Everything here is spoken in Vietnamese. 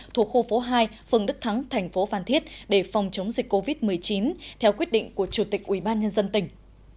thuộc khu phố hai phường đức thắng thành phố phan thiết để phòng chống dịch covid một mươi chín theo quyết định của chủ tịch ubnd tỉnh